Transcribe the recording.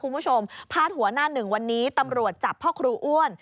พาดหัวหน้าหนึ่งวันนี้ตำรวจจับพ่อครูอ้วน